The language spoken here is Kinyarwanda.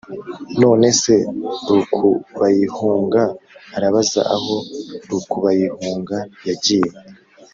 none se rukubayihunga arabaza aho rukubayihunga yagiye?"